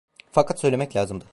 Fakat söylemek lazımdı…